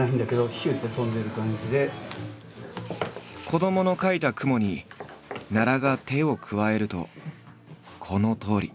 子どもの描いた雲に奈良が手を加えるとこのとおり。